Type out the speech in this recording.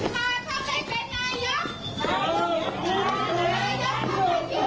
ที่จะให้พระเก้าไกรหรือผู้ชมหาเราเป็นคนเลือกหวาน